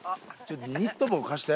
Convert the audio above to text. ちょっと。